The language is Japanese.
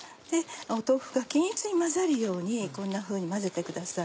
豆腐が均一に混ざるようにこんなふうに混ぜてください。